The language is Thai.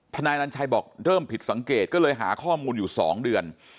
นายนันชัยบอกเริ่มผิดสังเกตก็เลยหาข้อมูลอยู่๒เดือน